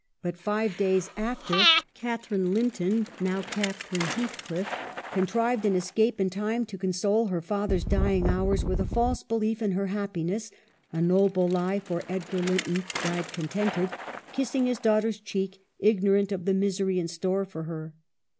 But five days after, Catharine Linton, « WUTHERING HEIGHTS: 269 now Catharine Heathcliff, contrived an escape in time to console her father's dying hours with a false belief in her happiness ; a noble lie, for Edgar Linton died contented, kissing his daugh ter's cheek, ignorant of the misery in store for her.